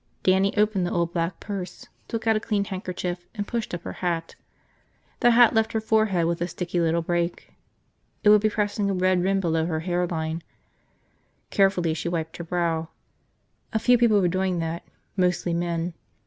Dannie opened the old black purse, took out a clean handkerchief and pushed up her hat. The hat left her forehead with a sticky little break. It would be pressing a red rim below her hairline. Carefully she wiped her brow. A few people were doing that, mostly men.